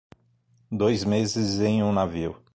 Dois meses em um navio